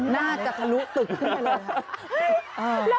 หน้าจะทะลุตึกขึ้นไปเลยฮะ